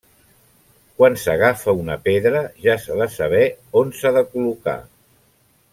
Quan s'agafa una pedra ja s'ha de saber on s'ha de col·locar.